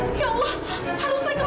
den jangan den